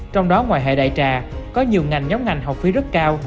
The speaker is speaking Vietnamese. trong đó ngoài hệ đại trà có nhiều ngành nhóm ngành học phí rất cao